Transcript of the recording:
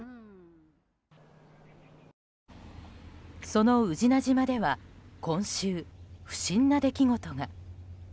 その宇品島では今週、不審な出来事が。